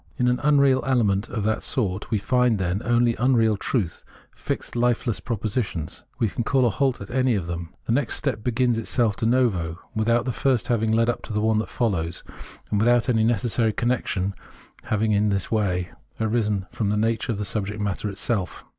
In an unreal ele ment of that sort we find, then, only unreal truth, fixed lifeless propositions. We can call a halt at any of them ; the next begins of itself de novo, without the first having led up to the one that follows, and without any necessary connexion having in this way 42 Phenomenology of Mind arisen from the nature of the subject matter itself.